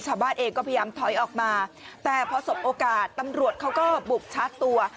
ชาวบ้านเองก็พยายามถอยออกมาแต่พอสบโอกาสตำรวจเขาก็บุกชาร์จตัว